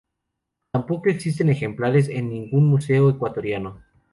Tampoco existen ejemplares en ningún museo ecuatoriano.